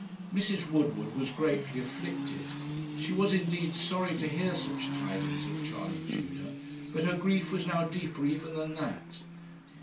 Mrs. Woodward was greatly afflicted. She was indeed sorry to hear such tidings of Charley Tudor; but her grief was now deeper even than that.